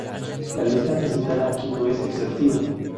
La lista presentada aquí no es exhaustiva.